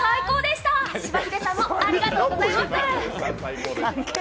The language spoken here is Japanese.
しばひでさんもありがとうございます。